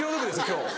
今日。